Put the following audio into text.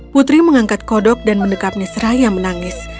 putri mengangkat kodok dan mendekapnya seraya menangis